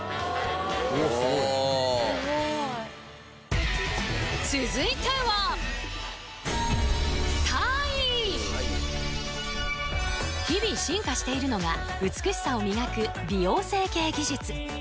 おおすごいお続いては日々進化しているのが美しさを磨く美容整形技術